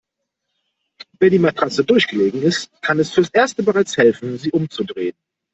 Wenn die Matratze durchgelegen ist, kann es fürs Erste bereits helfen, sie umzudrehen.